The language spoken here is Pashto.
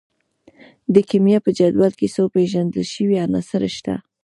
د کیمیا په جدول کې څو پیژندل شوي عناصر شته.